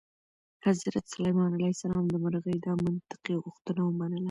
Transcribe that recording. حضرت سلیمان علیه السلام د مرغۍ دا منطقي غوښتنه ومنله.